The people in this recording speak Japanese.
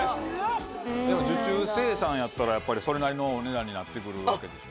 受注生産やったらやっぱりそれなりのお値段になって来るわけでしょ？